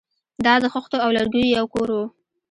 دا د خښتو او لرګیو یو کور و